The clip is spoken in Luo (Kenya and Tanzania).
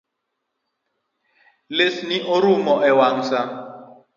Lesni orum ewang’ sa